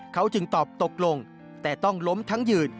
เขาจึงตอบตกลงแต่ต้องล้มทั้งยืน